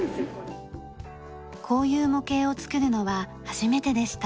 こういう模型を作るのは初めてでした。